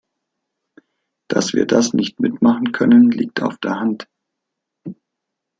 Dass wir das nicht mitmachen können, liegt auf der Hand!